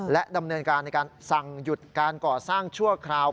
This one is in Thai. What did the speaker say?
และดำเนินการในการสั่งหยุดการก่อสร้างชั่วคราว